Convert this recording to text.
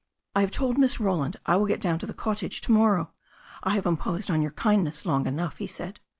"I have told Miss Roland I will get down to the cottage to morrow. I have imposed on your kindness long enough," he said.